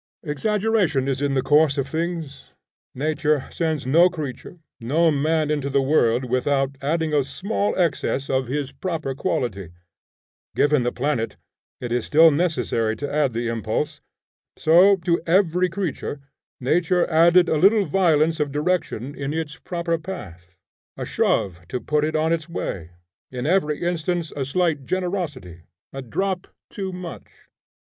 Exaggeration is in the course of things. Nature sends no creature, no man into the world without adding a small excess of his proper quality. Given the planet, it is still necessary to add the impulse; so to every creature nature added a little violence of direction in its proper path, a shove to put it on its way; in every instance a slight generosity, a drop too much.